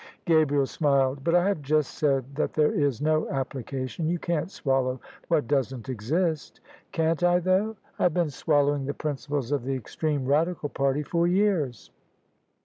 Gabriel smiled. " But I have just said that there is no application. You can't swallow what doesn't exist." "Can't I though? I've been swallowing the principles of the extreme Radical party for years."